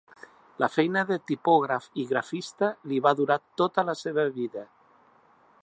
La feina de tipògraf i grafista li va durar tota la seva vida.